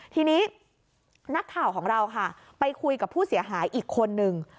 ทีนี้นักข่าวของเราค่ะไปคุยกับผู้เสียหายอีกคนนึง